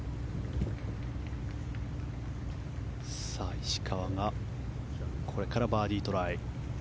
石川がこれからバーディートライ。